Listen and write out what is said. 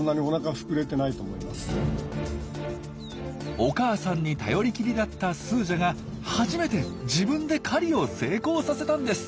お母さんに頼りきりだったスージャが初めて自分で狩りを成功させたんです！